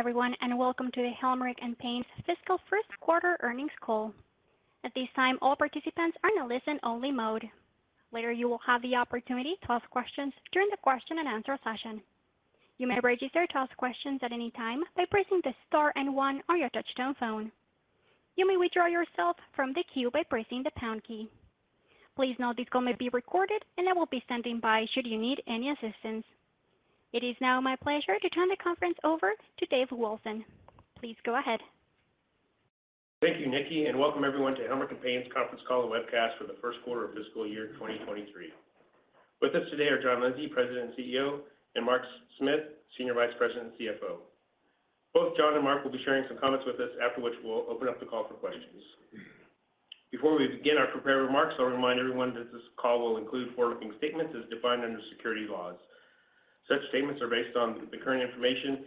Everyone, and welcome to the Helmerich & Payne's Fiscal First Quarter Earnings Call. At this time, all participants are in a listen-only mode. Later, you will have the opportunity to ask questions during the question-and-answer session. You may register to ask questions at any time by pressing the star and one on your touch-tone phone. You may withdraw yourself from the queue by pressing the pound key. Please note this call may be recorded, and I will be standing by should you need any assistance. It is now my pleasure to turn the conference over to Dave Wilson. Please go ahead. Thank you, Nikki, welcome everyone to Helmerich & Payne's Conference Call and Webcast for the First Quarter of Fiscal Year 2023. With us today are John Lindsay, President and CEO, and Mark Smith, Senior Vice President and CFO. Both John and Mark will be sharing some comments with us, after which we'll open up the call for questions. Before we begin our prepared remarks, I'll remind everyone that this call will include forward-looking statements as defined under security laws. Such statements are based on the current information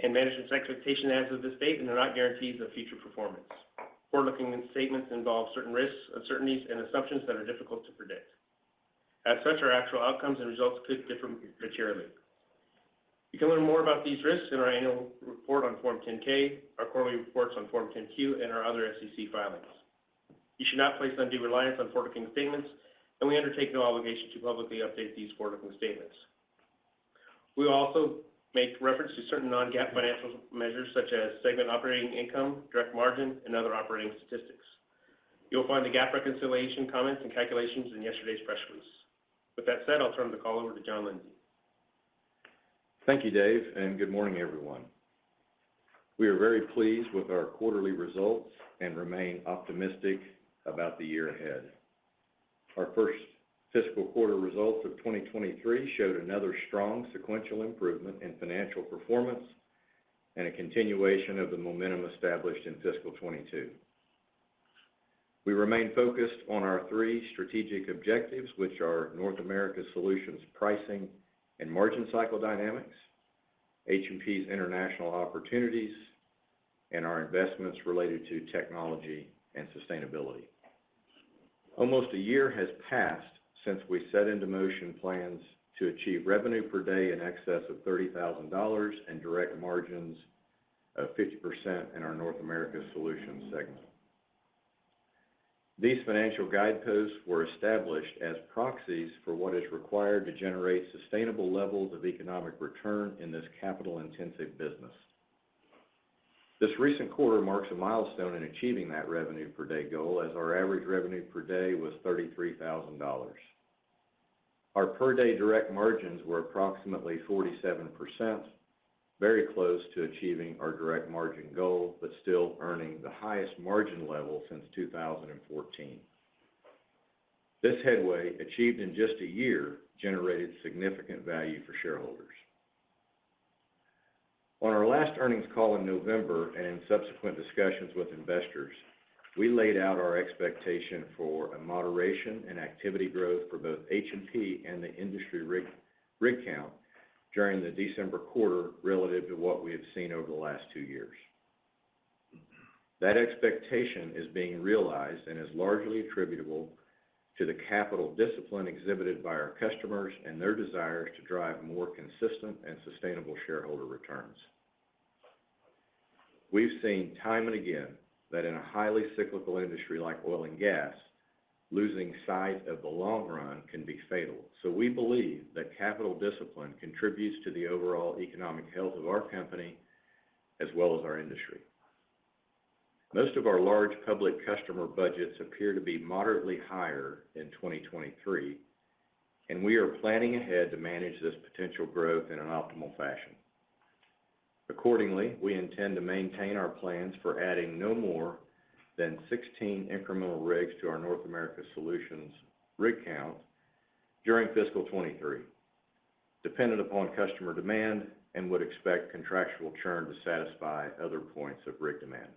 and management's expectation as of this date, they're not guarantees of future performance. Forward-looking statements involve certain risks, uncertainties, and assumptions that are difficult to predict. As such, our actual outcomes and results could differ materially. You can learn more about these risks in our annual report on Form 10-K, our quarterly reports on Form 10-Q, and our other SEC filings. You should not place undue reliance on forward-looking statements, and we undertake no obligation to publicly update these forward-looking statements. We will also make reference to certain non-GAAP financial measures such as segment operating income, direct margin, and other operating statistics. You'll find the GAAP reconciliation comments and calculations in yesterday's press release. With that said, I'll turn the call over to John Lindsay. Thank you, Dave, and good morning, everyone. We are very pleased with our quarterly results and remain optimistic about the year ahead. Our first fiscal quarter results of 2023 showed another strong sequential improvement in financial performance and a continuation of the momentum established in fiscal 2022. We remain focused on our three strategic objectives, which are North America Solutions pricing and margin cycle dynamics, H&P's international opportunities, and our investments related to technology and sustainability. Almost a year has passed since we set into motion plans to achieve revenue per day in excess of $30,000 and direct margins of 50% in our North America Solutions segment. These financial guideposts were established as proxies for what is required to generate sustainable levels of economic return in this capital-intensive business. This recent quarter marks a milestone in achieving that revenue per day goal as our average revenue per day was $33,000. Our per day direct margins were approximately 47%, very close to achieving our direct margin goal, but still earning the highest margin level since 2014. This headway, achieved in just a year, generated significant value for shareholders. On our last earnings call in November and in subsequent discussions with investors, we laid out our expectation for a moderation in activity growth for both H&P and the industry rig count during the December quarter relative to what we have seen over the last two years. That expectation is being realized and is largely attributable to the capital discipline exhibited by our customers and their desires to drive more consistent and sustainable shareholder returns. We've seen time and again that in a highly cyclical industry like oil and gas, losing sight of the long run can be fatal. We believe that capital discipline contributes to the overall economic health of our company as well as our industry. Most of our large public customer budgets appear to be moderately higher in 2023, and we are planning ahead to manage this potential growth in an optimal fashion. Accordingly, we intend to maintain our plans for adding no more than 16 incremental rigs to our North America Solutions rig count during fiscal 2023, dependent upon customer demand, and would expect contractual churn to satisfy other points of rig demand.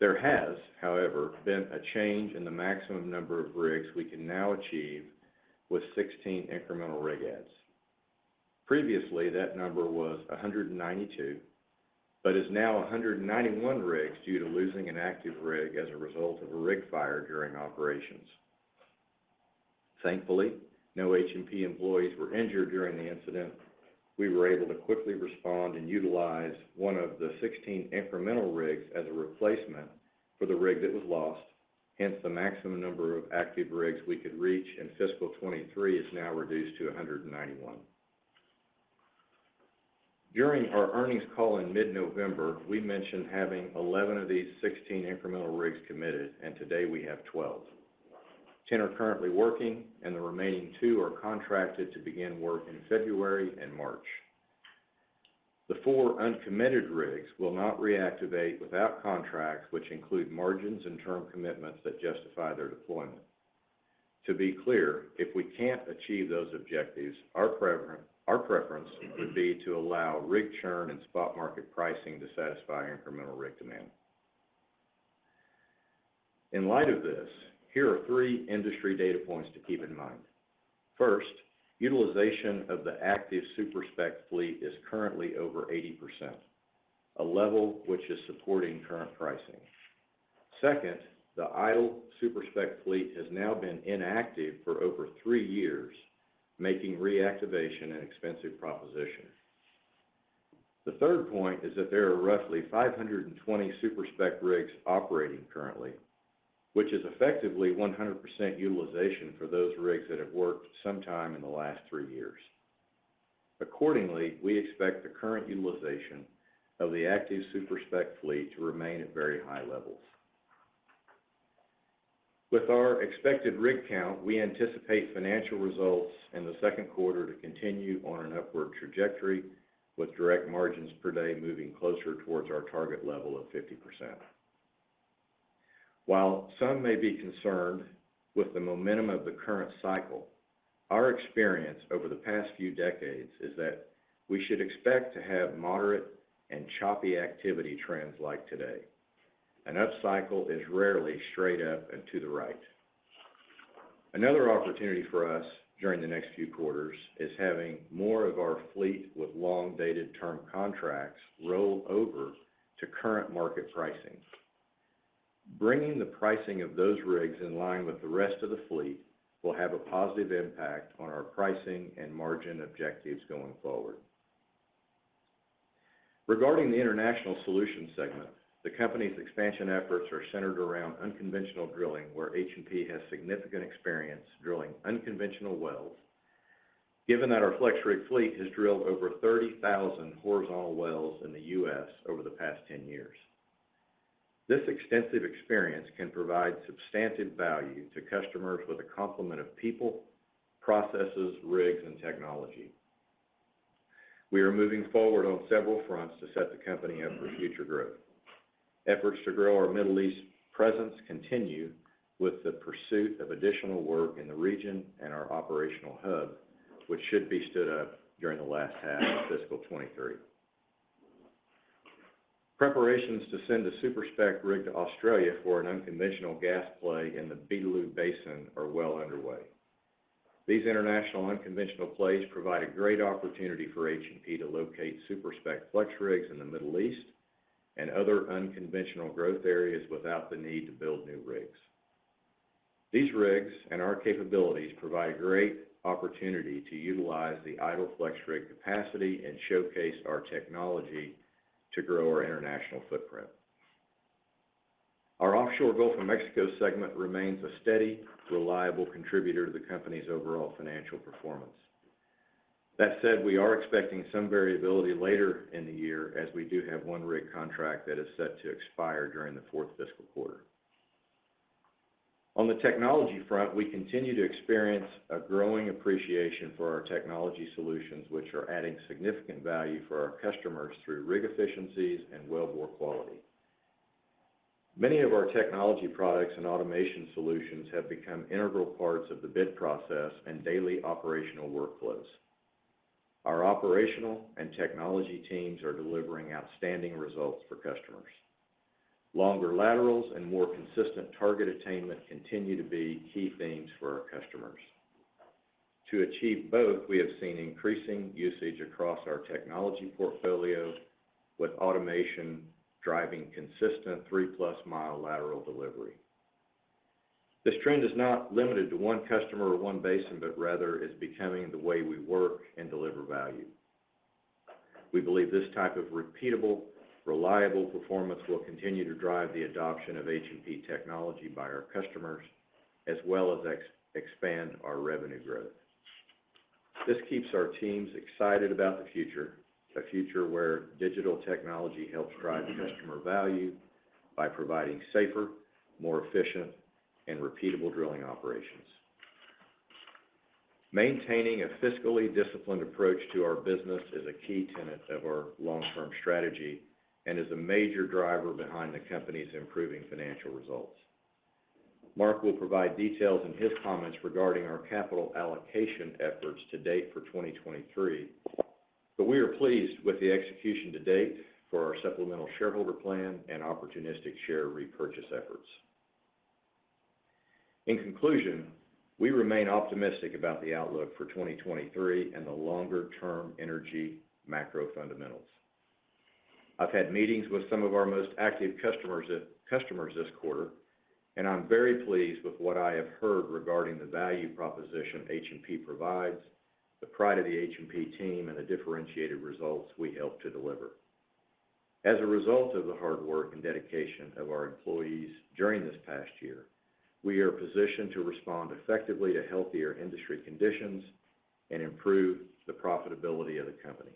There has, however, been a change in the maximum number of rigs we can now achieve with 16 incremental rig adds. Previously, that number was 192, but is now 191 rigs due to losing an active rig as a result of a rig fire during operations. Thankfully, no H&P employees were injured during the incident. We were able to quickly respond and utilize one of the 16 incremental rigs as a replacement for the rig that was lost. Hence, the maximum number of active rigs we could reach in fiscal 2023 is now reduced to 191. During our earnings call in mid-November, we mentioned having 11 of these 16 incremental rigs committed, and today we have 12. 10 are currently working, and the remaining two are contracted to begin work in February and March. The four uncommitted rigs will not reactivate without contracts which include margins and term commitments that justify their deployment. To be clear, if we can't achieve those objectives, our preference would be to allow rig churn and spot market pricing to satisfy incremental rig demand. In light of this, here are three industry data points to keep in mind. First, utilization of the active super-spec fleet is currently over 80%, a level which is supporting current pricing. Second, the idle super-spec fleet has now been inactive for over three years, making reactivation an expensive proposition. The third point is that there are roughly 520 super-spec rigs operating currently, which is effectively 100% utilization for those rigs that have worked sometime in the last three years. Accordingly, we expect the current utilization of the active super-spec fleet to remain at very high levels. With our expected rig count, we anticipate financial results in the second quarter to continue on an upward trajectory with direct margins per day moving closer towards our target level of 50%. While some may be concerned with the momentum of the current cycle, our experience over the past few decades is that we should expect to have moderate and choppy activity trends like today. An upcycle is rarely straight up and to the right. Another opportunity for us during the next few quarters is having more of our fleet with long dated term contracts roll over to current market pricing. Bringing the pricing of those rigs in line with the rest of the fleet will have a positive impact on our pricing and margin objectives going forward. Regarding the International Solutions segment, the company's expansion efforts are centered around unconventional drilling, where H&P has significant experience drilling unconventional wells, given that our FlexRig fleet has drilled over 30,000 horizontal wells in the U.S. over the past 10 years. This extensive experience can provide substantive value to customers with a complement of people, processes, rigs, and technology. We are moving forward on several fronts to set the company up for future growth. Efforts to grow our Middle East presence continue with the pursuit of additional work in the region and our operational hub, which should be stood up during the last half of fiscal 2023. Preparations to send a super-spec rig to Australia for an unconventional gas play in the Beetaloo Basin are well underway. These international unconventional plays provide a great opportunity for H&P to locate super-spec FlexRigs in the Middle East and other unconventional growth areas without the need to build new rigs. These rigs and our capabilities provide great opportunity to utilize the idle FlexRig capacity and showcase our technology to grow our international footprint. Our Offshore Gulf of Mexico segment remains a steady, reliable contributor to the company's overall financial performance. That said, we are expecting some variability later in the year as we do have one rig contract that is set to expire during the fourth fiscal quarter. On the technology front, we continue to experience a growing appreciation for our technology solutions, which are adding significant value for our customers through rig efficiencies and wellbore quality. Many of our technology products and automation solutions have become integral parts of the bid process and daily operational workflows. Our operational and technology teams are delivering outstanding results for customers. Longer laterals and more consistent target attainment continue to be key themes for our customers. To achieve both, we have seen increasing usage across our technology portfolio with automation driving consistent 3+ mi lateral delivery. This trend is not limited to one customer or one basin, but rather is becoming the way we work and deliver value. We believe this type of repeatable, reliable performance will continue to drive the adoption of H&P technology by our customers, as well as expand our revenue growth. This keeps our teams excited about the future, a future where digital technology helps drive customer value by providing safer, more efficient, and repeatable drilling operations. Maintaining a fiscally disciplined approach to our business is a key tenet of our long-term strategy and is a major driver behind the company's improving financial results. Mark will provide details in his comments regarding our capital allocation efforts to date for 2023, but we are pleased with the execution to date for our supplemental shareholder plan and opportunistic share repurchase efforts. In conclusion, we remain optimistic about the outlook for 2023 and the longer-term energy macro fundamentals. I've had meetings with some of our most active customers this quarter, and I'm very pleased with what I have heard regarding the value proposition H&P provides, the pride of the H&P team, and the differentiated results we help to deliver. As a result of the hard work and dedication of our employees during this past year, we are positioned to respond effectively to healthier industry conditions and improve the profitability of the company.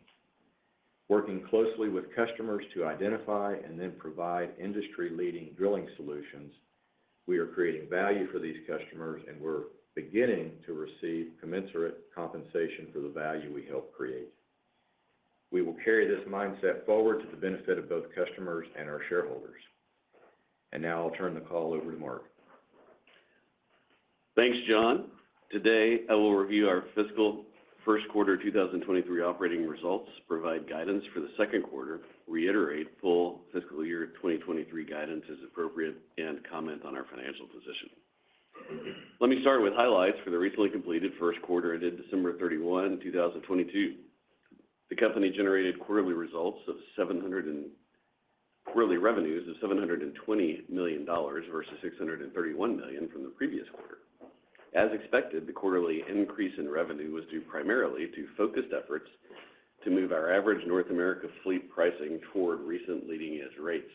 Working closely with customers to identify and then provide industry-leading drilling solutions, we are creating value for these customers, we're beginning to receive commensurate compensation for the value we help create. We will carry this mindset forward to the benefit of both customers and our shareholders. Now I'll turn the call over to Mark. Thanks, John. Today, I will review our fiscal first quarter 2023 operating results, provide guidance for the second quarter, reiterate full fiscal year 2023 guidance as appropriate, and comment on our financial position. Let me start with highlights for the recently completed first quarter ended December 31, 2022. The company generated quarterly revenues of $720 million versus $631 million from the previous quarter. As expected, the quarterly increase in revenue was due primarily to focused efforts to move our average North America fleet pricing toward recent leading edge rates.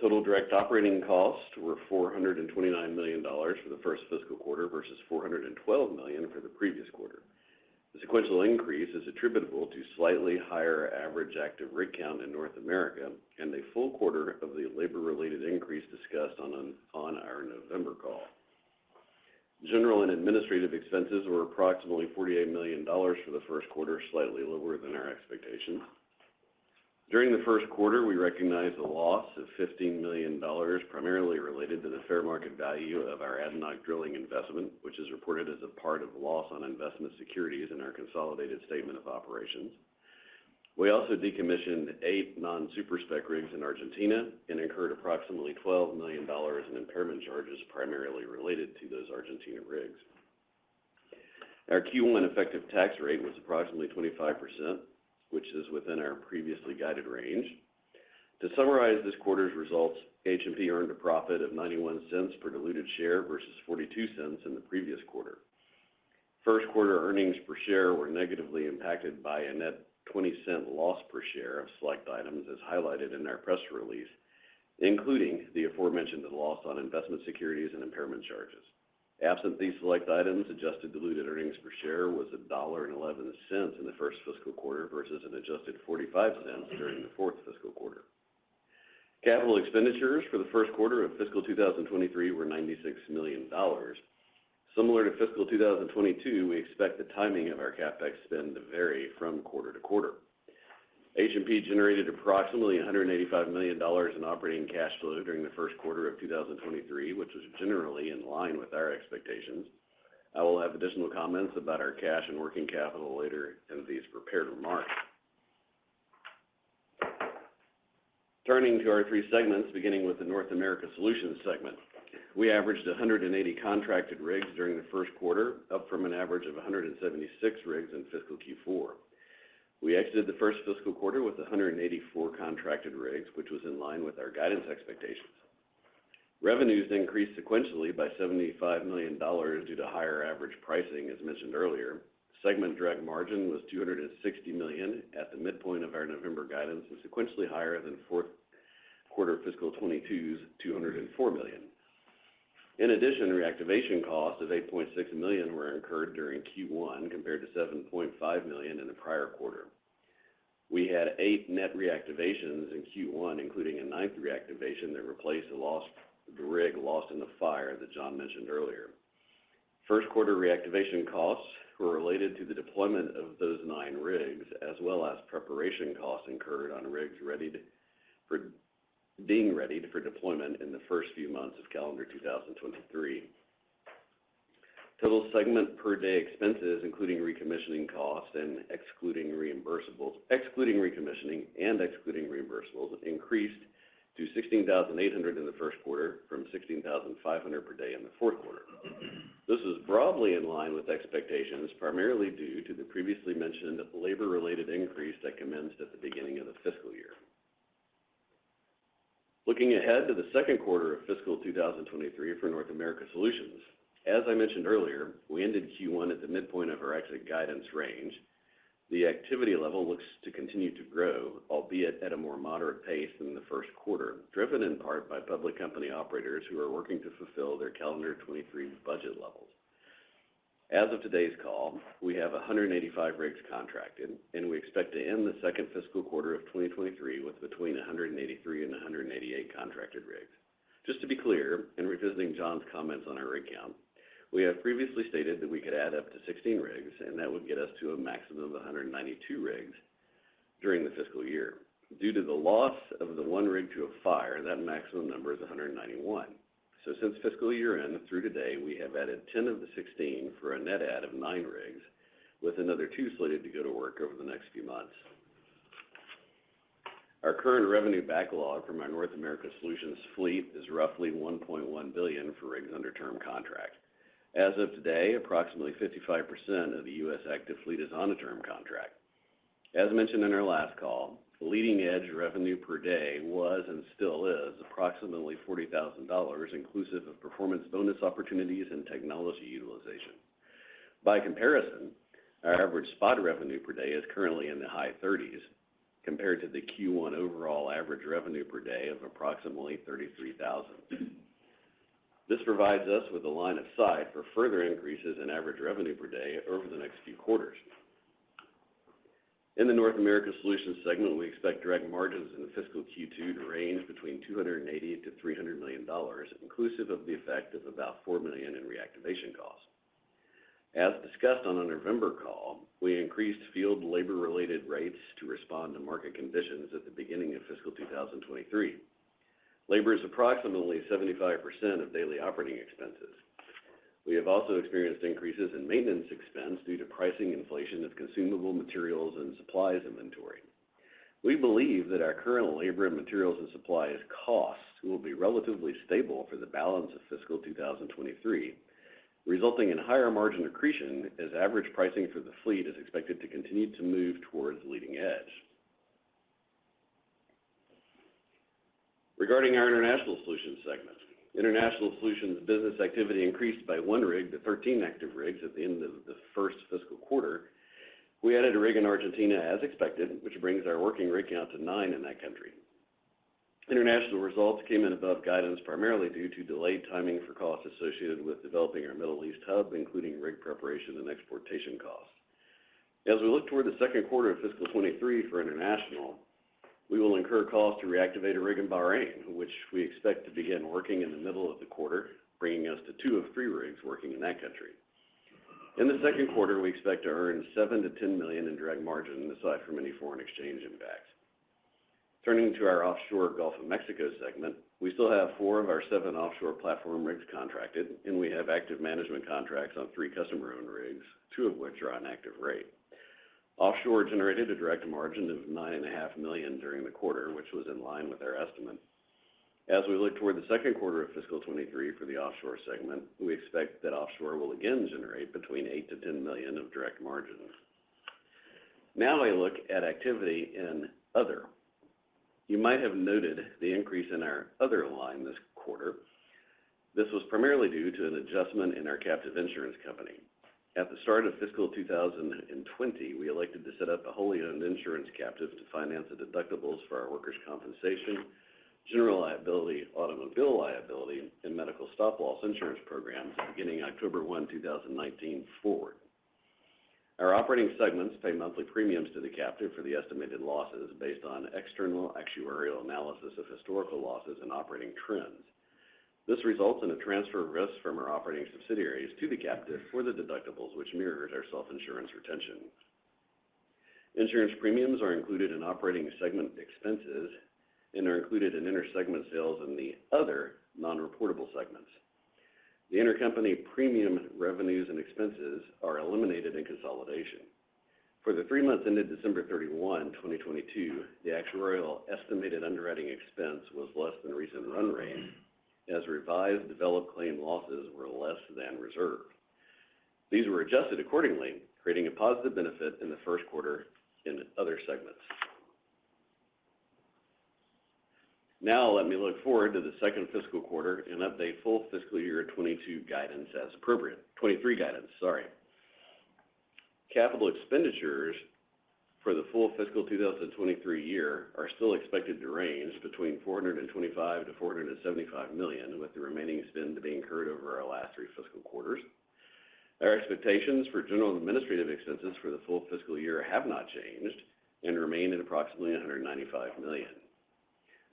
Total direct operating costs were $429 million for the first fiscal quarter versus $412 million for the previous quarter. The sequential increase is attributable to slightly higher average active rig count in North America and a full quarter of the labor-related increase discussed on our November call. General and administrative expenses were approximately $48 million for the first quarter, slightly lower than our expectations. During the first quarter, we recognized a loss of $15 million, primarily related to the fair market value of our ADNOC Drilling investment, which is reported as a part of loss on investment securities in our consolidated statement of operations. We also decommissioned eight non-super-spec rigs in Argentina and incurred approximately $12 million in impairment charges, primarily related to those Argentina rigs. Our Q1 effective tax rate was approximately 25%, which is within our previously guided range. To summarize this quarter's results, H&P earned a profit of $0.91 per diluted share versus $0.42 in the previous quarter. First quarter earnings per share were negatively impacted by a net $0.20 loss per share of select items, as highlighted in our press release, including the aforementioned loss on investment securities and impairment charges. Absent these select items, adjusted diluted earnings per share was $1.11 in the first fiscal quarter versus an adjusted $0.45 during the fourth fiscal quarter. Capital expenditures for the first quarter of fiscal 2023 were $96 million. Similar to fiscal 2022, we expect the timing of our CapEx spend to vary from quarter-to-quarter. H&P generated approximately $185 million in operating cash flow during the first quarter of 2023, which is generally in line with our expectations. I will have additional comments about our cash and working capital later in these prepared remarks. Turning to our three segments, beginning with the North America Solutions segment. We averaged 180 contracted rigs during the first quarter, up from an average of 176 rigs in fiscal Q4. We exited the first fiscal quarter with 184 contracted rigs, which was in line with our guidance expectations. Revenues increased sequentially by $75 million due to higher average pricing as mentioned earlier. Segment direct margin was $260 million at the midpoint of our November guidance, was sequentially higher than fourth quarter fiscal 2022's $204 million. In addition, reactivation costs of $8.6 million were incurred during Q1, compared to $7.5 million in the prior quarter. We had eight net reactivations in Q1, including a ninth reactivation that replaced the rig lost in the fire that John mentioned earlier. First quarter reactivation costs were related to the deployment of those nine rigs, as well as preparation costs incurred on rigs being readied for deployment in the first few months of calendar 2023. Total segment per day expenses, including recommissioning costs and excluding recommissioning and excluding reimbursables, increased to 16,800 in the first quarter from 16,500 per day in the fourth quarter. This is broadly in line with expectations, primarily due to the previously mentioned labor-related increase that commenced at the beginning of the fiscal year. Looking ahead to the second quarter of fiscal 2023 for North America Solutions. As I mentioned earlier, we ended Q1 at the midpoint of our exit guidance range. The activity level looks to continue to grow, albeit at a more moderate pace than in the first quarter, driven in part by public company operators who are working to fulfill their calendar 2023 budget levels. As of today's call, we have 185 rigs contracted, we expect to end the second fiscal quarter of 2023 with between 183 and 188 contracted rigs. Just to be clear, in revisiting John's comments on our rig count, we have previously stated that we could add up to 16 rigs, that would get us to a maximum of 192 rigs during the fiscal year. Due to the loss of the one rig to a fire, that maximum number is 191. Since fiscal year-end through today, we have added 10 of the 16 for a net add of nine rigs, with another two slated to go to work over the next few months. Our current revenue backlog from our North America Solutions fleet is roughly $1.1 billion for rigs under term contract. As of today, approximately 55% of the U.S. active fleet is on a term contract. As mentioned in our last call, the leading edge revenue per day was and still is approximately $40,000, inclusive of performance bonus opportunities and technology utilization. By comparison, our average spot revenue per day is currently in the high $30s compared to the Q1 overall average revenue per day of approximately $33,000. This provides us with a line of sight for further increases in average revenue per day over the next few quarters. In the North America Solutions segment, we expect direct margins in the fiscal Q2 to range between $280 million-$300 million, inclusive of the effect of about $4 million in reactivation costs. As discussed on the November call, we increased field labor-related rates to respond to market conditions at the beginning of fiscal 2023. Labor is approximately 75% of daily operating expenses. We have also experienced increases in maintenance expense due to pricing inflation of consumable materials and supplies inventory. We believe that our current labor and materials and supplies costs will be relatively stable for the balance of fiscal 2023, resulting in higher margin accretion as average pricing for the fleet is expected to continue to move towards leading edge. Regarding our International Solutions segment, International Solutions business activity increased by one rig to 13 active rigs at the end of the first fiscal quarter. We added a rig in Argentina as expected, which brings our working rig count to nine in that country. International results came in above guidance primarily due to delayed timing for costs associated with developing our Middle East hub, including rig preparation and exportation costs. As we look toward the second quarter of fiscal 23 for International, we will incur costs to reactivate a rig in Bahrain, which we expect to begin working in the middle of the quarter, bringing us to two of three rigs working in that country. In the second quarter, we expect to earn $7 million-$10 million in direct margin aside from any foreign exchange impacts. Turning to our offshore Gulf of Mexico segment, we still have four of our seven offshore platform rigs contracted, and we have active management contracts on three customer-owned rigs, two of which are on active rate. Offshore generated a direct margin of $nine and a half million during the quarter, which was in line with our estimate. As we look toward the second quarter of fiscal 23 for the offshore segment, we expect that offshore will again generate between $8 million-$10 million of direct margin. Now I look at activity in other. You might have noted the increase in our other line this quarter. This was primarily due to an adjustment in our captive insurance company. At the start of fiscal 2020, we elected to set up a wholly owned insurance captive to finance the deductibles for our workers' compensation, general liability, automobile liability, and medical stop loss insurance programs beginning October 1, 2019 forward. Our operating segments pay monthly premiums to the captive for the estimated losses based on external actuarial analysis of historical losses and operating trends. This results in a transfer of risks from our operating subsidiaries to the captive for the deductibles which mirrors our self-insurance retention. Insurance premiums are included in operating segment expenses and are included in inter-segment sales in the other non-reportable segments. The intercompany premium revenues and expenses are eliminated in consolidation. For the three months ended December 31, 2022, the actuarial estimated underwriting expense was less than recent run rate as revised developed claim losses were less than reserved. These were adjusted accordingly, creating a positive benefit in the first quarter in other segments. Now let me look forward to the second fiscal quarter and update full fiscal year 22 guidance as appropriate. 23 guidance, sorry. Capital expenditures for the full fiscal 2023 year are still expected to range between $425 million-$475 million, with the remaining spend to be incurred over our last three fiscal quarters. Our expectations for general and administrative expenses for the full fiscal year have not changed and remain at approximately $195 million.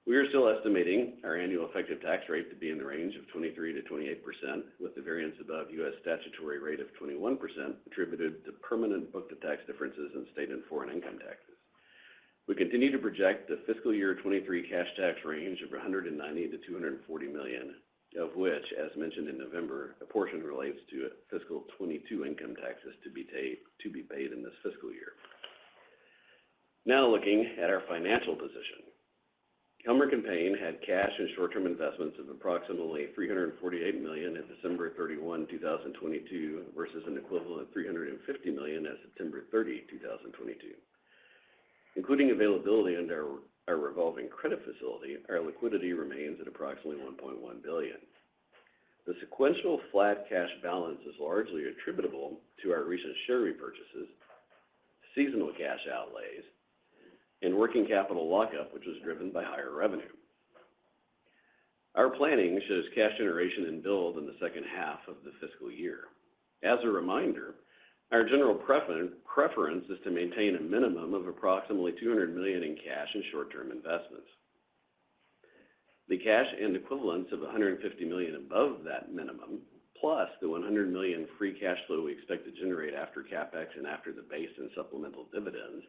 We are still estimating our annual effective tax rate to be in the range of 23%-28%, with the variance above U.S. statutory rate of 21% attributed to permanent book to tax differences in state and foreign income taxes. We continue to project the fiscal year 2023 cash tax range of $190 million-$240 million, of which, as mentioned in November, a portion relates to fiscal 2022 income taxes to be paid in this fiscal year. Looking at our financial position. Helmerich & Payne had cash and short-term investments of approximately $348 million at December 31, 2022 versus an equivalent $350 million at September 30, 2022. Including availability under our revolving credit facility, our liquidity remains at approximately $1.1 billion. The sequential flat cash balance is largely attributable to our recent share repurchases, seasonal cash outlays, and working capital lockup, which was driven by higher revenue. Our planning shows cash generation and build in the second half of the fiscal year. As a reminder, our general preference is to maintain a minimum of approximately $200 million in cash and short-term investments. The cash and equivalents of $150 million above that minimum, plus the $100 million free cash flow we expect to generate after CapEx and after the base and supplemental dividend,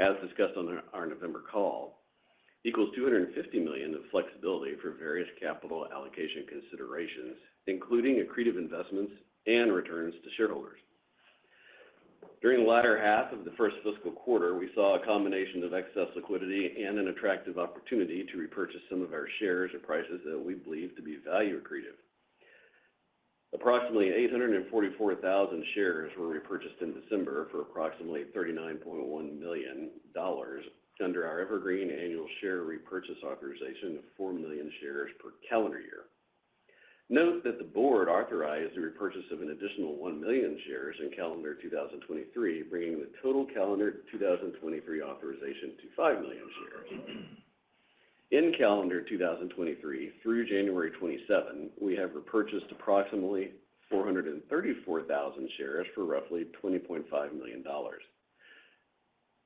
as discussed on our November call, equals $250 million of flexibility for various capital allocation considerations, including accretive investments and returns to shareholders. During the latter half of the first fiscal quarter, we saw a combination of excess liquidity and an attractive opportunity to repurchase some of our shares at prices that we believe to be value accretive. Approximately 844,000 shares were repurchased in December for approximately $39.1 million under our evergreen annual share repurchase authorization of 4 million shares per calendar year. Note that the board authorized the repurchase of an additional 1 million shares in calendar 2023, bringing the total calendar 2023 authorization to 5 million shares. In calendar 2023 through January 27, we have repurchased approximately 434,000 shares for roughly $20.5 million.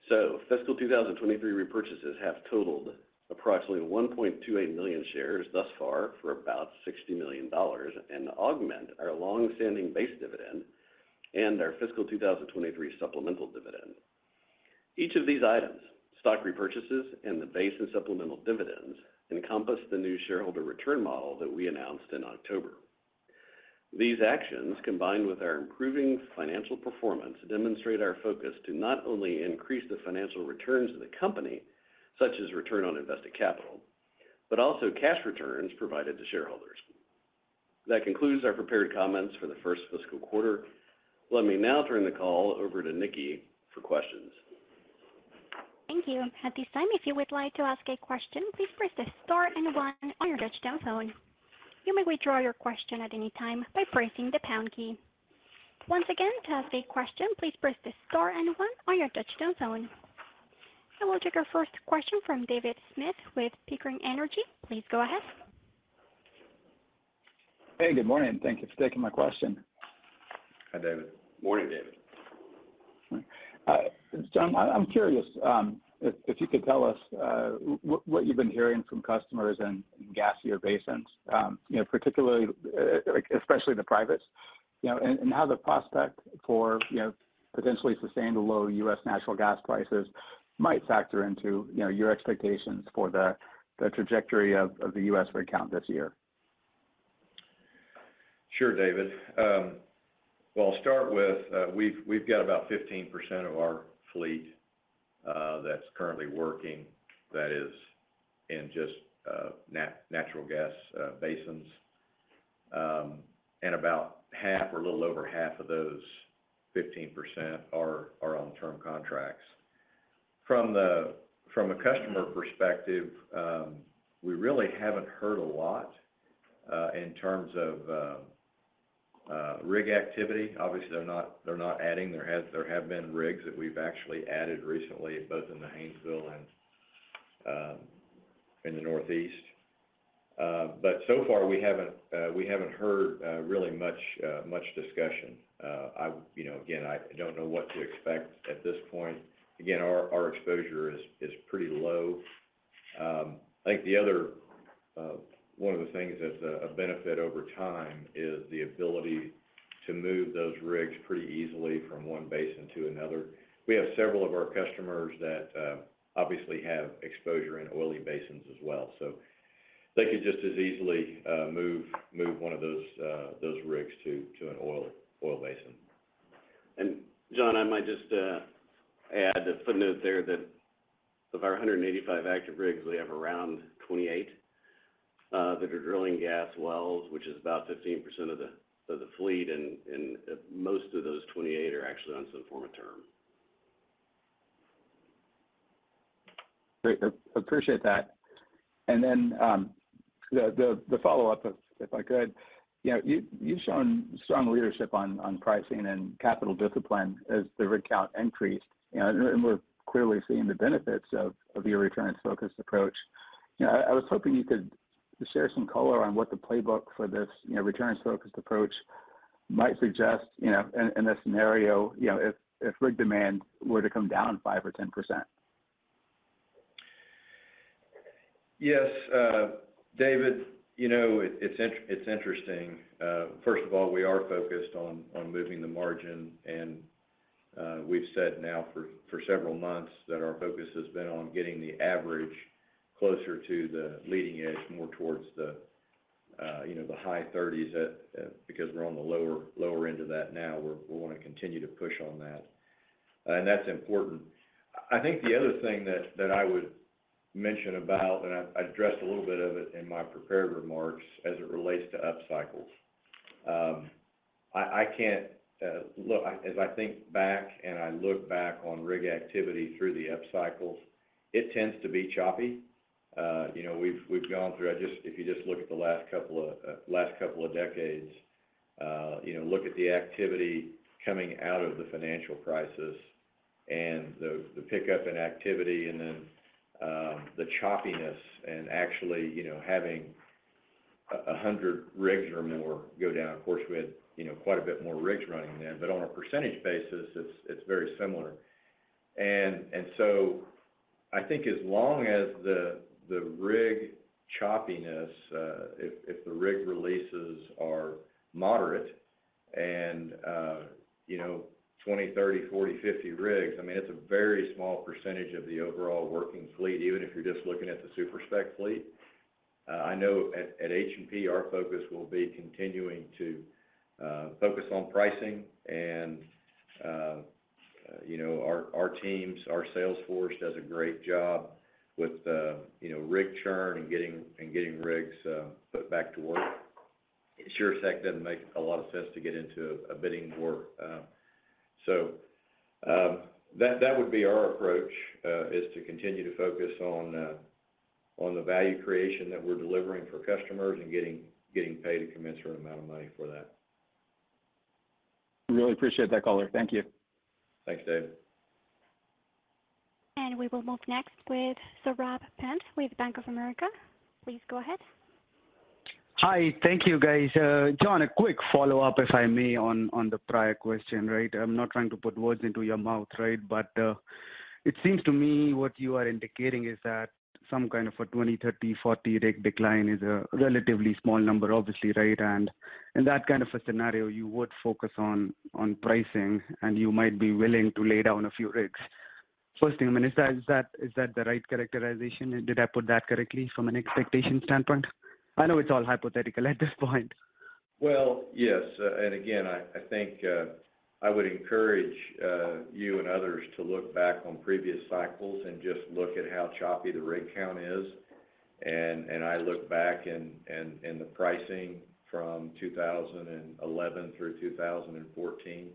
Fiscal 2023 repurchases have totaled approximately 1.28 million shares thus far for about $60 million and augment our long-standing base dividend and our fiscal 2023 supplemental dividend. Each of these items, stock repurchases and the base and supplemental dividends, encompass the new shareholder return model that we announced in October. These actions, combined with our improving financial performance, demonstrate our focus to not only increase the financial returns of the company, such as return on invested capital, but also cash returns provided to shareholders. That concludes our prepared comments for the first fiscal quarter. Let me now turn the call over to Nikki for questions. Thank you. At this time, if you would like to ask a question, please press star one on your touch-tone phone. You may withdraw your question at any time by pressing the pound key. Once again, to ask a question, please press star one on your touch-tone phone. I will take our first question from David Smith with Pickering Energy. Please go ahead. Hey, good morning. Thank you for taking my question. Hi, David. Morning, David. All right. John, I'm curious, if you could tell us what you've been hearing from customers in gasier basins, you know, particularly, like, especially the privates, you know, and how the prospect for, you know, potentially sustained low U.S. natural gas prices might factor into, you know, your expectations for the trajectory of the U.S. rig count this year. Sure, David. Well, I'll start with, we've got about 15% of our fleet that's currently working that is in just natural gas basins. And about half or a little over half of those 15% are on term contracts. From a customer perspective, we really haven't heard a lot in terms of rig activity. Obviously, they're not adding. There have been rigs that we've actually added recently, both in the Haynesville and in the Northeast. But so far we haven't heard really much discussion. You know, again, I don't know what to expect at this point. Again, our exposure is pretty low. I think the other, one of the things that's a benefit over time is the ability to move those rigs pretty easily from one basin to another. We have several of our customers that, obviously have exposure in oily basins as well, so they could just as easily move one of those rigs to an oil basin. John, I might just add a footnote there that of our 185 active rigs, we have around 28 that are drilling gas wells, which is about 15% of the fleet, and most of those 28 are actually on some form of term. Great. Appreciate that. The follow-up, if I could. You know, you've shown strong leadership on pricing and capital discipline as the rig count increased, you know, and we're clearly seeing the benefits of your returns-focused approach. You know, I was hoping you could share some color on what the playbook for this, you know, returns-focused approach might suggest, you know, in a scenario, you know, if rig demand were to come down 5% or 10%. Yes. David, you know, it's interesting. first of all, we are focused on moving the margin, and we've said now for several months that our focus has been on getting the average closer to the leading edge, more towards the, you know, the high thirties at because we're on the lower end of that now. We wanna continue to push on that. That's important. I think the other thing that I would mention about, and I addressed a little bit of it in my prepared remarks as it relates to upcycles. I can't. Look, as I think back and I look back on rig activity through the upcycles, it tends to be choppy. you know, we've gone through... If you just look at the last couple of last couple of decades, you know, look at the activity coming out of the financial crisis and the pickup in activity and then the choppiness and actually, you know, having 100 rigs or more go down. Of course, we had, you know, quite a bit more rigs running then, but on a percentage basis, it's very similar. I think as long as the rig choppiness, if the rig releases are moderate and, you know, 20, 30, 40, 50 rigs, I mean, it's a very small percentage of the overall working fleet, even if you're just looking at the super-spec fleet. I know at H&P, our focus will be continuing to focus on pricing and, you know, our teams, our sales force does a great job with, you know, rig churn and getting rigs put back to work. It sure as heck doesn't make a lot of sense to get into a bidding war. That would be our approach, is to continue to focus on the value creation that we're delivering for customers and getting paid a commensurate amount of money for that. Really appreciate that color. Thank you. Thanks, David. we will move next with Saurabh Pant with Bank of America. Please go ahead. Hi. Thank you, guys. John, a quick follow-up, if I may, on the prior question, right? I'm not trying to put words into your mouth, right? It seems to me what you are indicating is that some kind of a 20, 30, 40 rig decline is a relatively small number, obviously, right? In that kind of a scenario, you would focus on pricing, and you might be willing to lay down a few rigs. First thing, I mean, is that the right characterization? Did I put that correctly from an expectation standpoint? I know it's all hypothetical at this point. Well, yes. And again, I think, I would encourage you and others to look back on previous cycles and just look at how choppy the rig count is. I look back and the pricing from 2011 through 2014,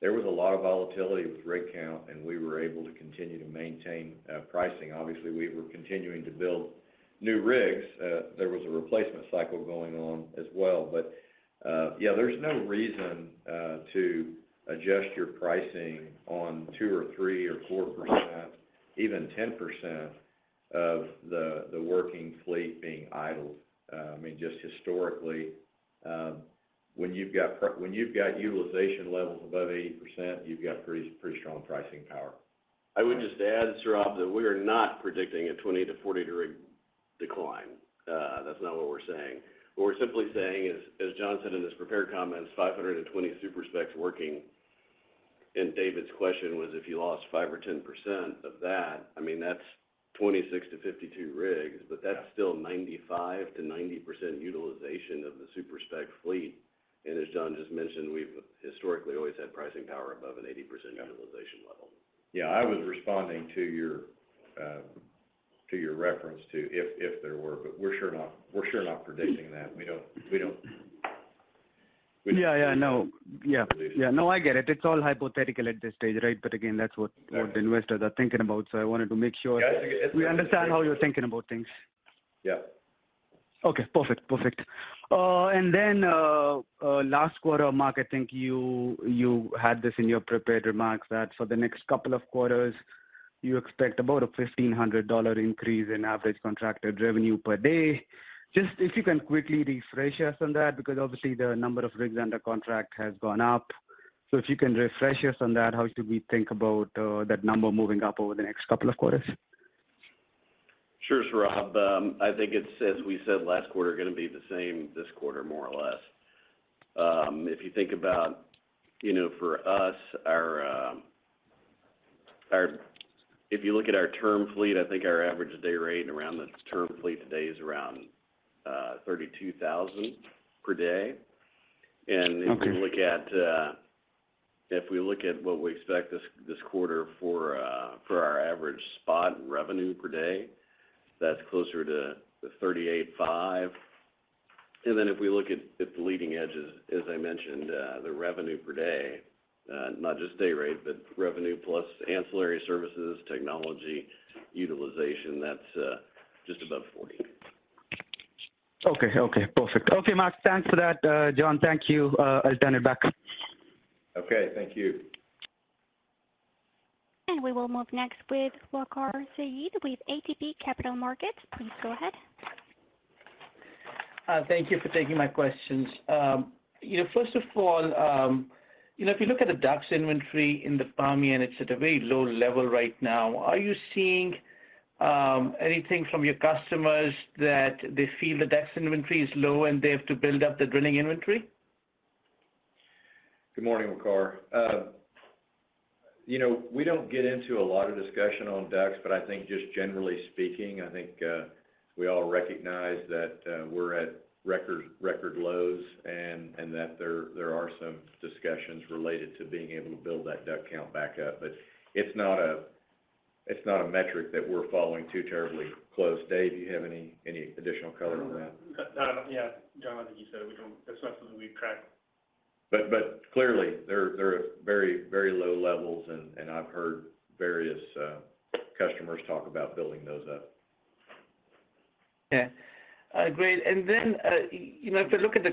there was a lot of volatility with rig count, and we were able to continue to maintain pricing. Obviously, we were continuing to build new rigs. There was a replacement cycle going on as well. Yeah, there's no reason to adjust your pricing on 2% or 3% or 4%, even 10% of the working fleet being idled. I mean, just historically, when you've got utilization levels above 80%, you've got pretty strong pricing power. I would just add, Saurabh, that we are not predicting a 20-40 rig decline. That's not what we're saying. What we're simply saying is, as John said in his prepared comments, 520 super-specs working, and David's question was, if you lost 5% or 10% of that, I mean, that's 26-52 rigs. Yeah. That's still 95%-90% utilization of the super-spec fleet. As John just mentioned, we've historically always had pricing power above an 80%- Yeah. -utilization level. Yeah. I was responding to your, to your reference to if there were. We're sure not, we're sure not predicting that. We don't. Yeah, yeah, no. Yeah. -see utilization. Yeah. No, I get it. It's all hypothetical at this stage, right? Again, that's. Correct. What investors are thinking about, so I wanted to make sure- Yeah, I think. We understand how you're thinking about things. Yeah. Okay. Perfect. And then, last quarter, Mark, I think you had this in your prepared remarks, that for the next couple of quarters, you expect about a $1,500 increase in average contracted revenue per day. Just if you can quickly refresh us on that, because obviously the number of rigs under contract has gone up. If you can refresh us on that, how should we think about that number moving up over the next couple of quarters? Sure, Saurabh. I think it's, as we said last quarter, gonna be the same this quarter, more or less. If you think about, you know, for us, our If you look at our term fleet, I think our average day rate around the term fleet today is around $32,000 per day. Okay. If you look at, if we look at what we expect this quarter for our average spot revenue per day, that's closer to $38,500. If we look at the leading edges, as I mentioned, the revenue per day, not just day rate, but revenue plus ancillary services, technology utilization, that's just above $40,000. Okay. Okay, perfect. Okay, Mark. Thanks for that. John, thank you. I'll turn it back. Okay. Thank you. We will move next with Waqar Syed with ATB Capital Markets. Please go ahead. Thank you for taking my questions. You know, first of all, you know, if you look at the DUCs inventory in the Permian, it's at a very low level right now. Are you seeing anything from your customers that they feel the DUCs inventory is low and they have to build up the drilling inventory? Good morning, Waqar. you know, we don't get into a lot of discussion on DUCs, I think just generally speaking, I think, we all recognize that, we're at record lows and that there are some discussions related to being able to build that DUC count back up. It's not a metric that we're following too terribly close. Dave, do you have any additional color on that? I don't... yeah. John, I think you said it. We don't... It's not something we track. Clearly they're at very, very low levels, and I've heard various customers talk about building those up. Okay. Great. Then, you know, if I look at the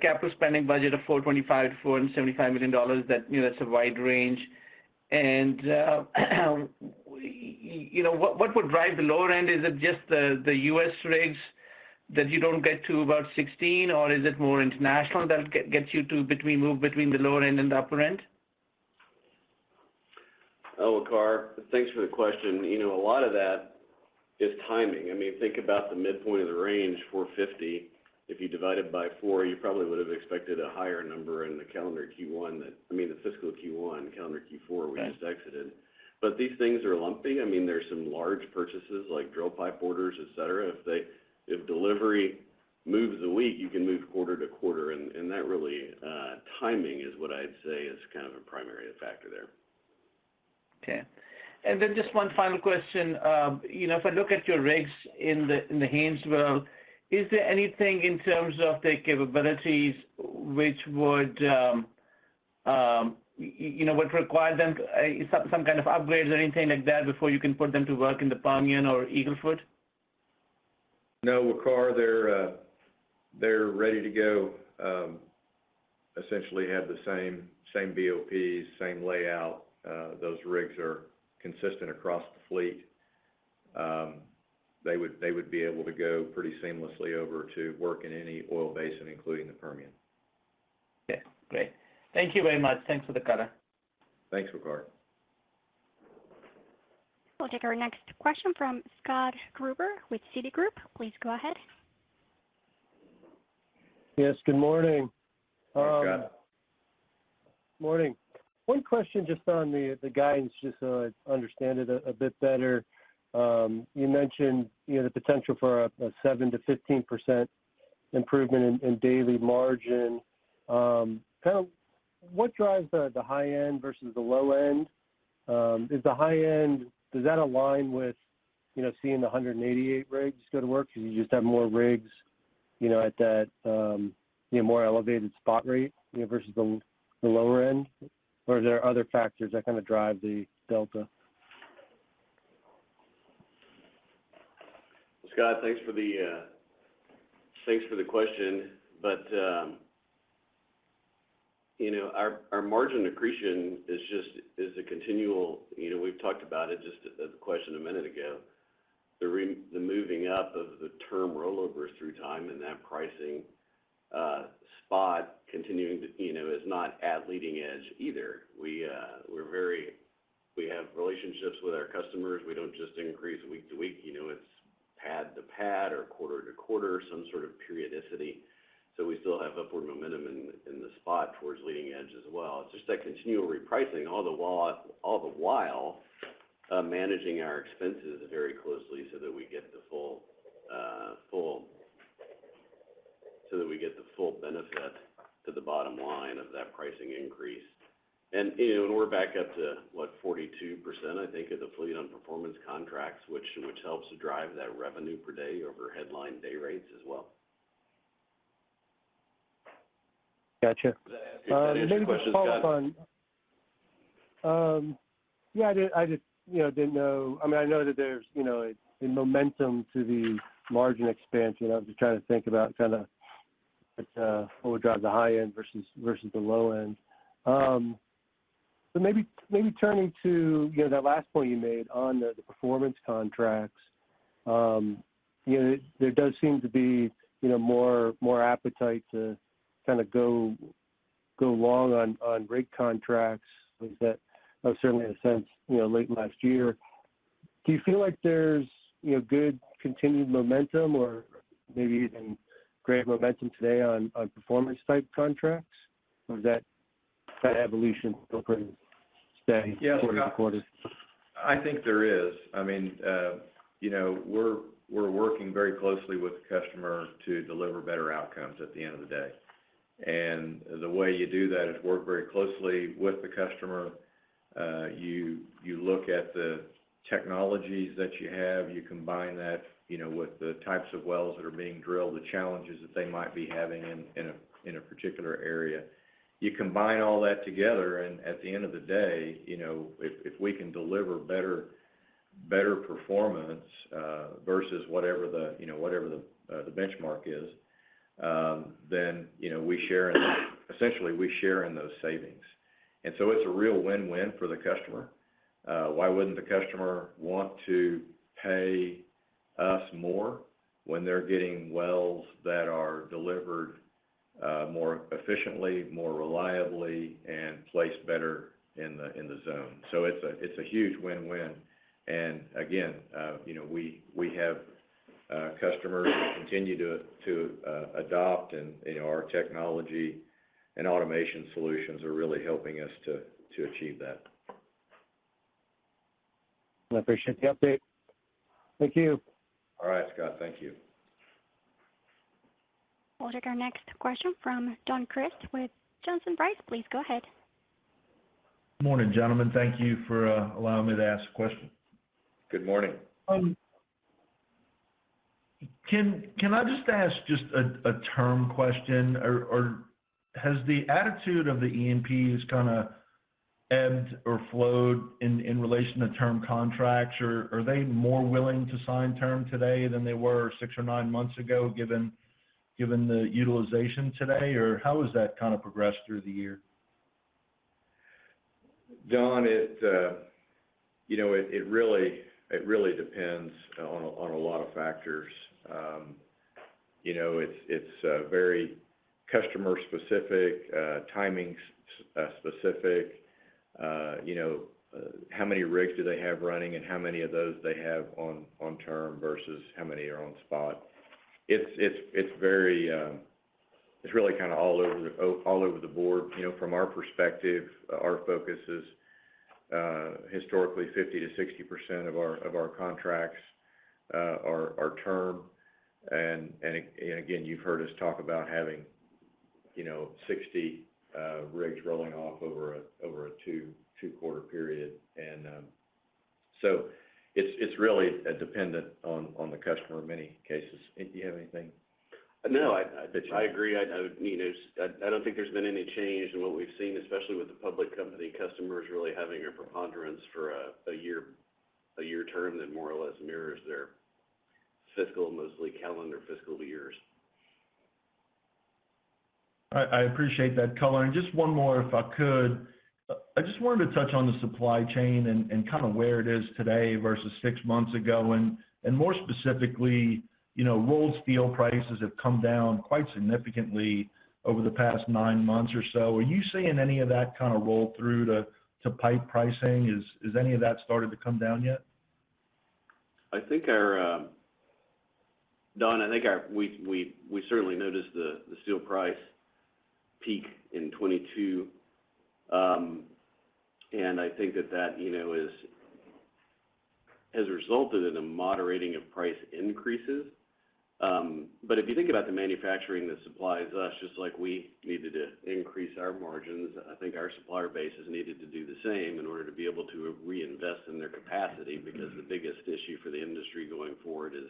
capital spending budget of $425 million-$475 million, that, you know, that's a wide range. You know, what would drive the lower end? Is it just the U.S. rigs that you don't get to about 16, or is it more International that gets you to move between the lower end and the upper end? Oh, Waqar, thanks for the question. You know, a lot of that is timing. I mean, think about the midpoint of the range, 450. If you divide it by four, you probably would have expected a higher number. I mean the fiscal Q1, calendar Q4. Right. We just exited. These things are lumpy. I mean, there's some large purchases like drill pipe orders, et cetera. If delivery moves a week, you can move quarter-to-quarter, and that really timing is what I'd say is kind of a primary factor there. Okay. Just one final question. You know, if I look at your rigs in the Haynesville, is there anything in terms of the capabilities which would, you know, require them, some kind of upgrades or anything like that before you can put them to work in the Permian or Eagle Ford? No, Waqar. They're ready to go. Essentially have the same BOP, same layout. Those rigs are consistent across the fleet. They would be able to go pretty seamlessly over to work in any oil basin, including the Permian. Okay, great. Thank you very much. Thanks for the color. Thanks, Waqar. We'll take our next question from Scott Gruber with Citigroup. Please go ahead. Yes. Good morning. Hey, Scott. Morning. One question just on the guidance, just so I understand it a bit better. You mentioned, you know, the potential for a 7%-15% improvement in daily margin. Kind of what drives the high end versus the low end? Does the high end, does that align with, you know, seeing 188 rigs go to work? Do you just have more rigs, you know, at that, you know, more elevated spot rate, you know, versus the lower end? Or are there other factors that kind of drive the delta? Scott, thanks for the thanks for the question. you know, our margin accretion is a continual, you know, we've talked about it just at the question a minute ago. The moving up of the term rollovers through time and that pricing spot continuing to, you know, is not at leading edge either. We have relationships with our customers. We don't just increase week to week. You know, it's pad to pad or quarter-to-quarter, some sort of periodicity. We still have upward momentum in the spot towards leading edge as well. It's just that continual repricing all the while managing our expenses very closely so that we get the full benefit to the bottom line of that pricing increase. You know, and we're back up to, what, 42%, I think, of the fleet on performance contracts, which helps drive that revenue per day over headline day rates as well. Gotcha. Does that answer your question, Scott? Maybe just to follow up on. Yeah, I did, I just, you know, didn't know. I mean, I know that there's, you know, a momentum to the margin expansion. I was just trying to think about kind of which, what would drive the high end versus the low end. Maybe turning to, you know, that last point you made on the performance contracts. You know, there does seem to be, you know, more appetite to kind of go long on rate contracts. At least that I've certainly has sensed, you know, late last year. Do you feel like there's, you know, good continued momentum or maybe even greater momentum today on performance type contracts? Or is that evolution still pretty steady quarter-to-quarter? Yes, Scott. I think there is. I mean, you know, we're working very closely with the customer to deliver better outcomes at the end of the day. The way you do that is work very closely with the customer. You look at the technologies that you have. You combine that, you know, with the types of wells that are being drilled, the challenges that they might be having in a particular area. You combine all that together, at the end of the day, you know, if we can deliver better performance, versus whatever the benchmark is, then, you know, essentially we share in those savings. So it's a real win-win for the customer. Why wouldn't the customer want to pay us more when they're getting wells that are delivered more efficiently, more reliably, and placed better in the zone? It's a huge win-win. Again, you know, we have customers who continue to adopt. You know, our technology and automation solutions are really helping us to achieve that. Well, I appreciate the update. Thank you. All right, Scott. Thank you. We'll take our next question from Don Crist with Johnson Rice. Please go ahead. Morning, gentlemen. Thank you for allowing me to ask a question. Good morning. Can I just ask a term question? Has the attitude of the E&Ps kind of ebbed or flowed in relation to term contracts? Are they more willing to sign term today than they were 6 or 9 months ago, given the utilization today? How has that kind of progressed through the year? Don, you know, it really depends on a lot of factors. You know, it's very customer specific, timing specific. You know, how many rigs do they have running and how many of those they have on term versus how many are on spot. It's very, it's really kind of all over the board. You know, from our perspective, our focus is historically 50%-60% of our contracts are term. Again, you've heard us talk about having, you know, 60 rigs rolling off over a two-quarter period. It's really dependent on the customer in many cases. Do you have anything that you? No, I agree. I mean, I don't think there's been any change in what we've seen, especially with the public company customers really having a preponderance for a year term that more or less mirrors their fiscal, mostly calendar fiscal years. I appreciate that color. Just one more, if I could. I just wanted to touch on the supply chain and kind of where it is today versus six months ago. More specifically, you know, rolled steel prices have come down quite significantly over the past 9 months or so. Are you seeing any of that kind of roll through to pipe pricing? Is any of that starting to come down yet? I think our Don, we certainly noticed the steel price peak in 2022. I think that that, you know, has resulted in a moderating of price increases. If you think about the manufacturing that supplies us, just like we needed to increase our margins, I think our supplier bases needed to do the same in order to be able to reinvest in their capacity. Because the biggest issue for the industry going forward is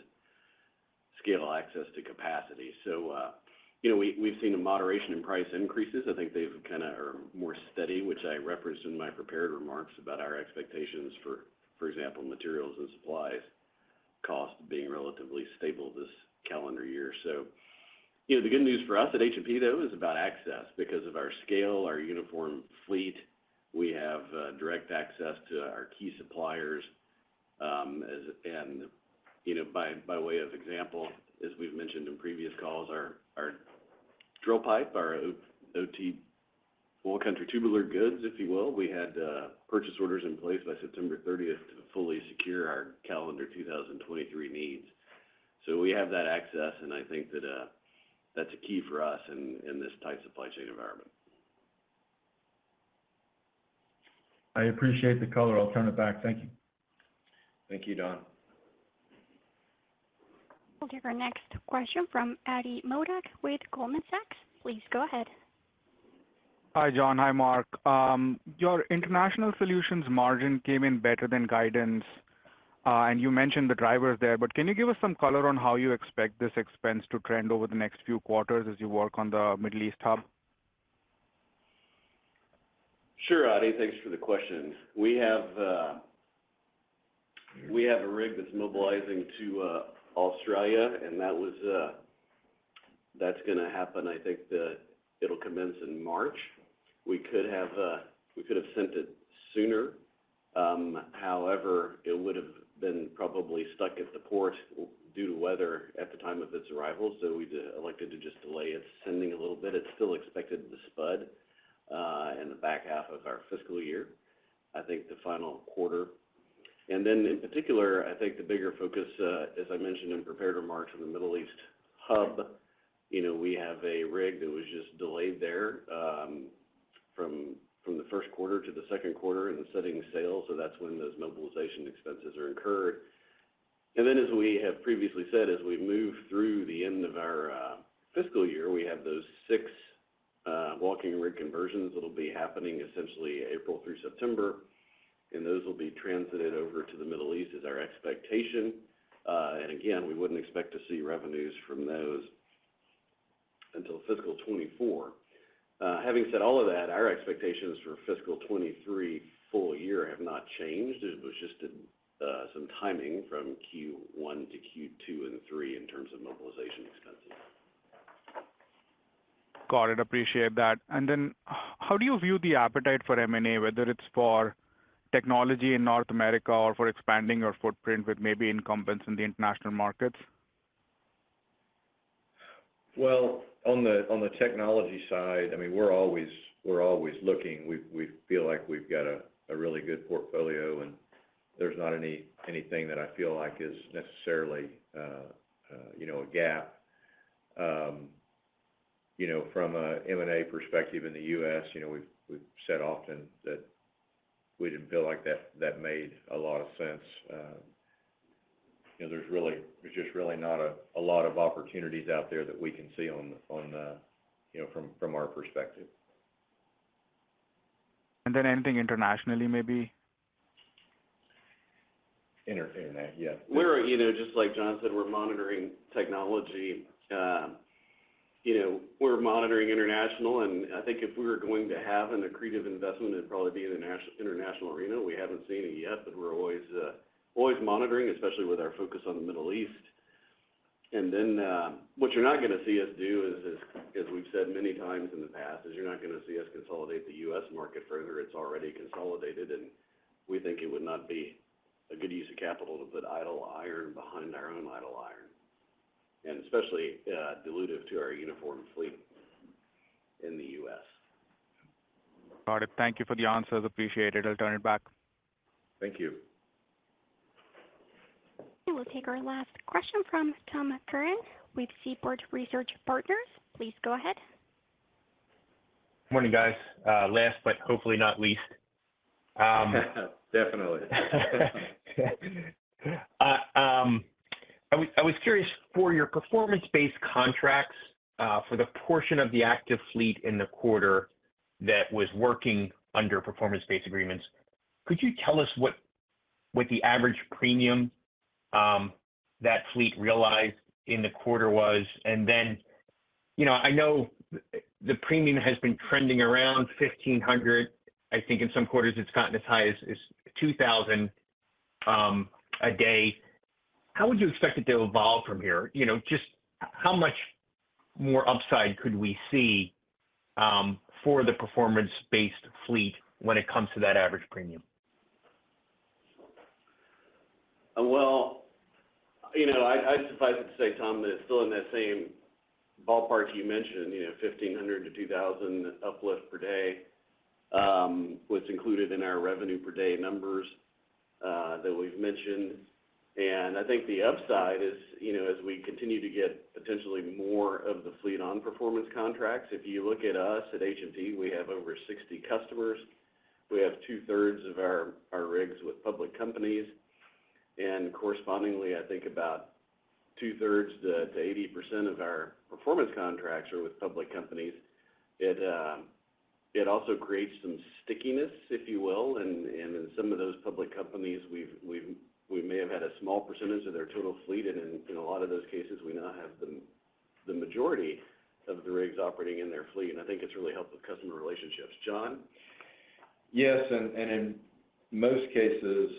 scale access to capacity. You know, we've seen a moderation in price increases. I think they've kinda are more steady, which I referenced in my prepared remarks about our expectations for example, materials and supplies cost being relatively stable this calendar year. You know, the good news for us at H&P, though, is about access. Because of our scale, our uniform fleet, we have direct access to our key suppliers, and, you know, by way of example, as we've mentioned in previous calls, our drill pipe, our Oil Country Tubular Goods, if you will, we had purchase orders in place by September 30th to fully secure our calendar 2023 needs. We have that access, and I think that's a key for us in this tight supply chain environment. I appreciate the color. I'll turn it back. Thank you. Thank you, Don. We'll take our next question from Ati Modak with Goldman Sachs. Please go ahead. Hi, John. Hi, Mark. your International Solutions margin came in better than guidance, and you mentioned the drivers there. Can you give us some color on how you expect this expense to trend over the next few quarters as you work on the Middle East hub? Sure, Ati. Thanks for the question. We have, we have a rig that's mobilizing to Australia, that's gonna happen, I think it'll commence in March. We could have, we could have sent it sooner, however, it would've been probably stuck at the port due to weather at the time of its arrival. We elected to just delay its sending a little bit. It's still expected to spud in the back half of our fiscal year, I think the final quarter. In particular, I think the bigger focus as I mentioned in prepared remarks on the Middle East hub, you know, we have a rig that was just delayed there from the first quarter to the second quarter in the setting sail, so that's when those mobilization expenses are incurred. As we have previously said, as we move through the end of our fiscal year, we have those six walking rig conversions that'll be happening essentially April through September, and those will be transited over to the Middle East is our expectation. Again, we wouldn't expect to see revenues from those until fiscal 2024. Having said all of that, our expectations for fiscal 2023 full year have not changed. It was just some timing from Q1 to Q2 and Q3 in terms of mobilization expenses. Got it. Appreciate that. How do you view the appetite for M&A, whether it's for technology in North America or for expanding your footprint with maybe incumbents in the international markets? Well, on the technology side, I mean, we're always looking. We feel like we've got a really good portfolio, and there's not anything that I feel like is necessarily, you know, a gap. You know, from a M&A perspective in the U.S., you know, we've said often that we didn't feel like that made a lot of sense. You know, there's just really not a lot of opportunities out there that we can see on, you know, from our perspective. Anything internationally maybe? Inter-internet, yeah. We're, you know, just like John said, we're monitoring technology. You know, we're monitoring international, and I think if we were going to have an accretive investment, it'd probably be in the international arena. We haven't seen it yet, but we're always monitoring, especially with our focus on the Middle East. What you're not gonna see us do is as we've said many times in the past, is you're not gonna see us consolidate the U.S. market further. It's already consolidated, and we think it would not be a good use of capital to put idle iron behind our own idle iron, and especially dilutive to our uniform fleet in the U.S. Got it. Thank you for the answers. Appreciate it. I'll turn it back. Thank you. We'll take our last question from Tom Curran with Seaport Research Partners. Please go ahead. Morning, guys. Last but hopefully not least. Definitely. I was curious for your performance-based contracts, for the portion of the active fleet in the quarter that was working under performance-based agreements, could you tell us what the average premium that fleet realized in the quarter was? You know, I know the premium has been trending around $1,500. In some quarters, it's gotten as high as $2,000 a day. How would you expect it to evolve from here? You know, just how much more upside could we see for the performance-based fleet when it comes to that average premium? Well, you know, I'd suffice it to say, Tom, that it's still in that same ballpark you mentioned, you know, $1,500-$2,000 uplift per day was included in our revenue per day numbers that we've mentioned. I think the upside is, you know, as we continue to get potentially more of the fleet on performance contracts, if you look at us at H&P, we have over 60 customers. We have two-thirds of our rigs with public companies, correspondingly, I think about 2/3 to 80% of our performance contracts are with public companies. It also creates some stickiness, if you will, and in some of those public companies we may have had a small percentage of their total fleet, and in a lot of those cases, we now have the majority of the rigs operating in their fleet, and I think it's really helped with customer relationships. John? Yes, in most cases,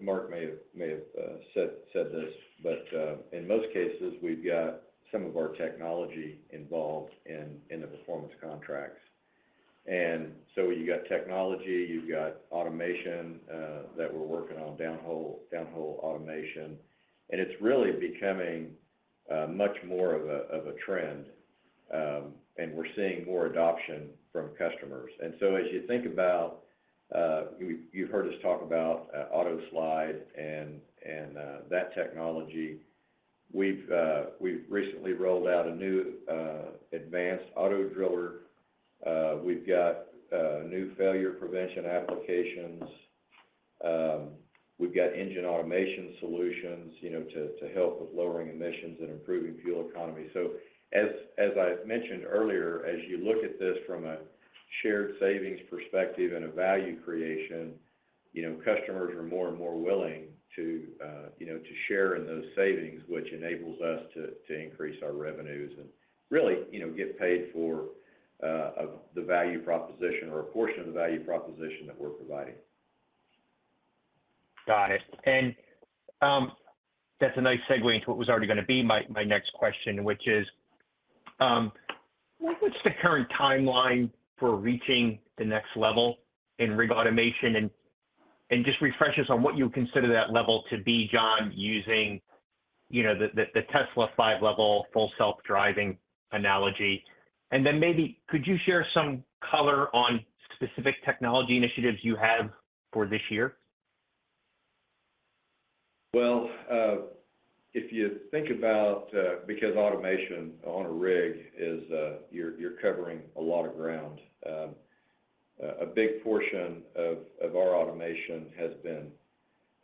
Mark may have said this, but in most cases, we've got some of our technology involved in the performance contracts. You've got technology, you've got automation that we're working on downhole automation. It's really becoming much more of a trend, and we're seeing more adoption from customers. As you think about, you've heard us talk about AutoSlide and that technology. We've recently rolled out a new advanced autodriller. We've got new failure prevention applications. We've got engine automation solutions, you know, to help with lowering emissions and improving fuel economy. as I've mentioned earlier, as you look at this from a shared savings perspective and a value creation, you know, customers are more and more willing to, you know, to share in those savings, which enables us to increase our revenues and really, you know, get paid for the value proposition or a portion of the value proposition that we're providing. Got it. That's a nice segue into what was already gonna be my next question, which is, what's the current timeline for reaching the next level in rig automation? Just refresh us on what you consider that level to be, John, using, you know, the, the Tesla 5 level full self-driving analogy. Maybe could you share some color on specific technology initiatives you have for this year? Well, if you think about, because automation on a rig is, you're covering a lot of ground. A big portion of our automation has been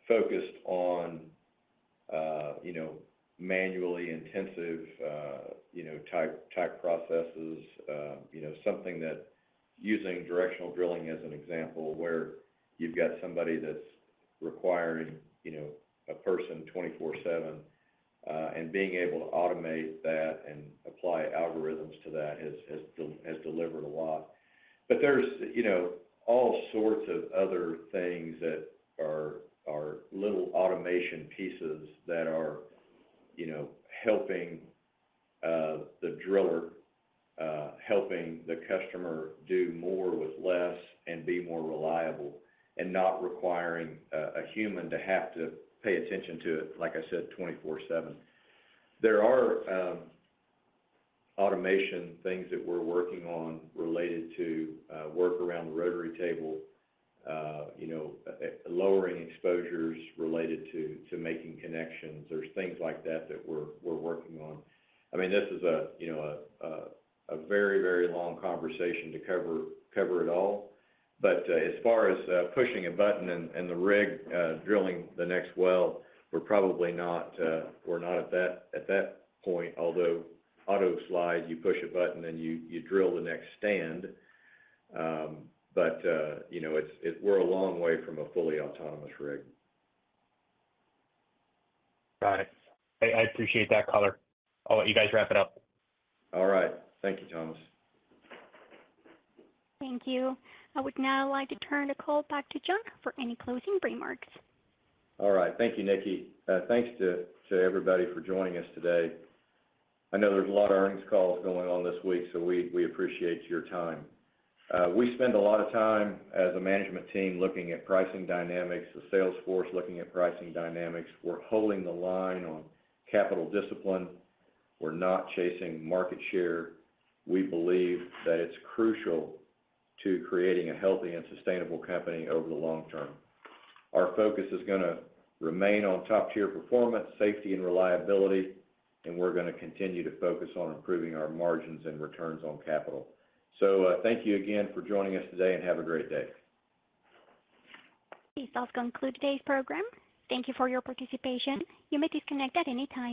focused on, you know, manually intensive, you know, type processes. You know, something that using directional drilling as an example, where you've got somebody that's requiring, you know, a person 24/7, and being able to automate that and apply algorithms to that has delivered a lot. There's, you know, all sorts of other things that are little automation pieces that are, you know, helping the driller, helping the customer do more with less and be more reliable and not requiring a human to have to pay attention to it, like I said, 24/7. There are automation things that we're working on related to work around the rotary table, you know, lowering exposures related to making connections. There's things like that that we're working on. I mean, this is a, you know, a very, very long conversation to cover it all. As far as pushing a button and the rig drilling the next well, we're probably not we're not at that point, although AutoSlide, you push a button and you drill the next stand. You know, we're a long way from a fully autonomous rig. Got it. I appreciate that color. I'll let you guys wrap it up. All right. Thank you, Thomas. Thank you. I would now like to turn the call back to John for any closing remarks. All right. Thank you, Nikki. Thanks to everybody for joining us today. I know there's a lot of earnings calls going on this week. We appreciate your time. We spend a lot of time as a management team looking at pricing dynamics, the sales force looking at pricing dynamics. We're holding the line on capital discipline. We're not chasing market share. We believe that it's crucial to creating a healthy and sustainable company over the long term. Our focus is gonna remain on top-tier performance, safety and reliability, and we're gonna continue to focus on improving our margins and returns on capital. Thank you again for joining us today, and have a great day. This does conclude today's program. Thank you for your participation. You may disconnect at any time.